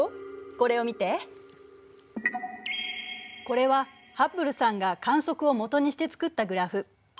これはハッブルさんが観測を基にして作ったグラフ。